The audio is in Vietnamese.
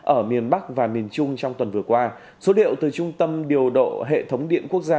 ở miền bắc và miền trung trong tuần vừa qua số liệu từ trung tâm điều độ hệ thống điện quốc gia